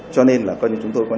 cho nên là quan nhẫn chúng tôi này